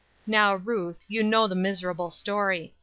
Now, Ruth, you know the miserable story.